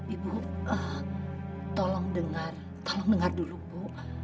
ibu tolong dengar tolong dengar dulu bu